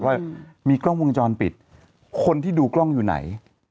ว่ามีกล้องวงจรปิดคนที่ดูกล้องอยู่ไหน